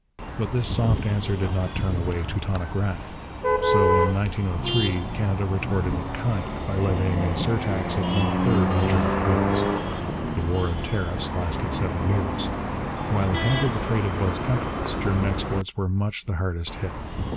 But this soft answer did not turn away Teutonic wrath; so in 1903 Canada retorted in kind, by levying a surtax of one third on German goods. The war of tariffs lasted seven years. While it hampered the trade of both countries, German exports were much the hardest hit.